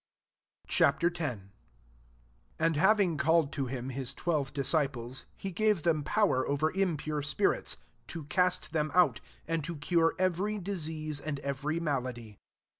Ch. X. 1 And having called to him his twelve disciples, he gave them power over im pure spirits, to cast them out, and to cure every disease and every malady.